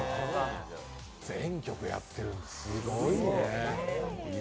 全曲やってるってすごいね。